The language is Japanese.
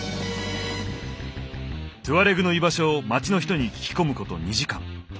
トゥアレグの居場所を町の人に聞き込むこと２時間。